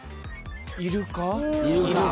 イルカ。